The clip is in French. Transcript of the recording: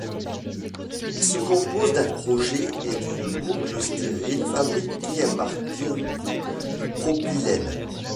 Il se compose d'un crochet et d’une boucle stérile fabriqués à partir de propylène.